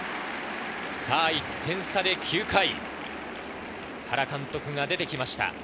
さぁ、１点差で９回、原監督が出て来ました。